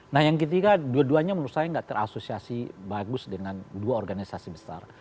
nah yang ketiga dua duanya menurut saya tidak terasosiasi bagus dengan dua organisasi besar